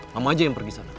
mama aja yang pergi sana